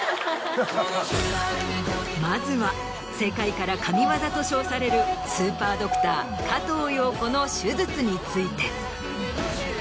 まずは世界から「神ワザ」と称されるスーパードクター加藤庸子の手術について。